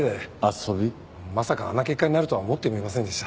まさかあんな結果になるとは思ってもいませんでした。